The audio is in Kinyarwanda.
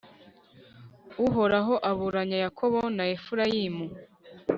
Uhoraho aburanya Yakobo na Efurayimu